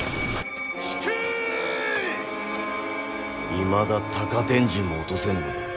いまだ高天神も落とせぬのか。